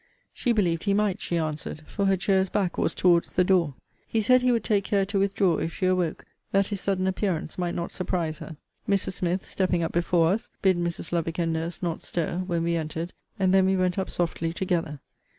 She believed he might, she answered; for her chair's back was towards the door. He said he would take care to withdraw, if she awoke, that his sudden appearance might not surprise her. Mrs. Smith, stepping up before us, bid Mrs. Lovick and nurse not stir, when we entered; and then we went up softly together.